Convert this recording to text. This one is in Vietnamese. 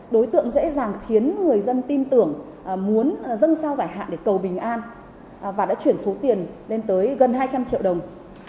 đối tượng dễ dàng khiến người dân tin tưởng muốn dân sao giải hạn để cầu bình an và đã chuyển số tiền lên tới gần hai trăm linh triệu đồng